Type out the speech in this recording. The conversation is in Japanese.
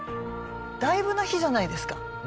だいぶな日じゃないですか。